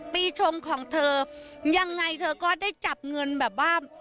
ปีชงของเธอยังไงเธอก็ได้จับเงินแบบว่า